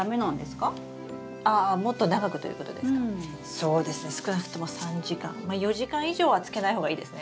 そうですね少なくとも３時間まあ４時間以上はつけない方がいいですね。